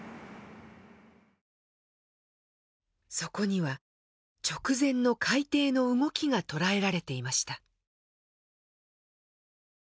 そこには直前の海底の動きが捉えられていました。